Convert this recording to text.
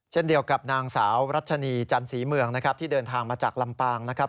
เช่นเดียวกับนางสาวรัชนีจันศรีเมืองนะครับที่เดินทางมาจากลำปางนะครับ